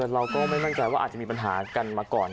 เราก็ไม่มั่นใจว่าอาจจะมีปัญหากันมาก่อน